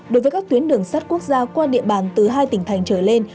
đối với các tuyến đường sắt quốc gia qua địa bàn từ hai tỉnh thành trở lên